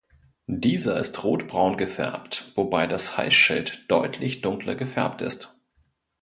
Dieser ist rotbraun gefärbt, wobei das Halsschild deutlich dunkler gefärbt ist.